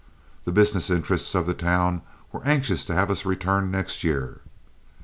The business interests of the town were anxious to have us return next year.